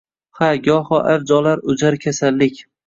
Ha, goho avj olar o’jar kasallik